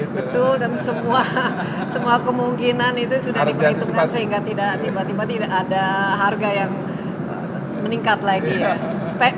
betul dan semua kemungkinan itu sudah diperhitungkan sehingga tidak tiba tiba tidak ada harga yang meningkat lagi ya